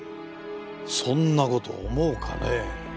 そんな事思うかね？